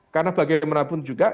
karena bagaimanapun juga